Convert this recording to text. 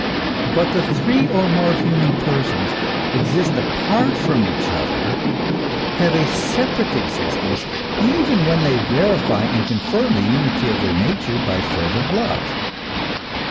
But the three or more human persons exist apart from each other, have a separate existence, even when they verify and confirm the unity of their nature by fervent love.